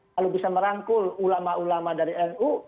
kalau bisa merangkul ulama ulama dari nu